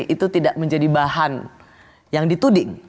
itu tidak menjadi bahan yang dituding